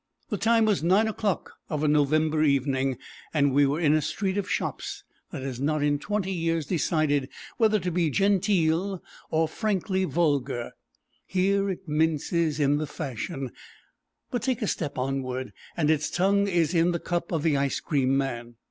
The time was nine o'clock of a November evening, and we were in a street of shops that has not in twenty years decided whether to be genteel or frankly vulgar; here it minces in the fashion, but take a step onward and its tongue is in the cup of the ice cream man.